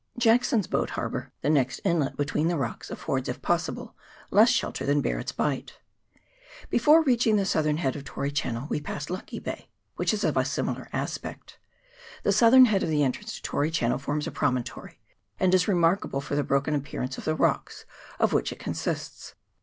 Jackson's Boat Harbour, the next inlet between the rocks, affords, if possible, less shelter than Bar ret's Bight. Before reaching the southern head of Tory Channel we pass Lucky Bay, which is of a similar aspect. The southern head of the entrance to Tory Channel forms a promontory, and is remarkable for the broken appearance of the rocks of which it consists.